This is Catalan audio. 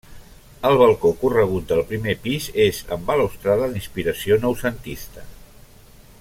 El balcó corregut del primer pis és amb balustrada d'inspiració Noucentista.